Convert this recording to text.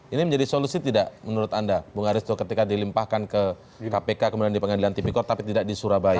ini menjadi solusi tidak menurut anda bung aristo ketika dilimpahkan ke kpk kemudian di pengadilan tipikor tapi tidak di surabaya